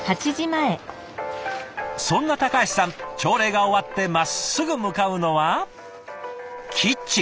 そんな橋さん朝礼が終わってまっすぐ向かうのはキッチン。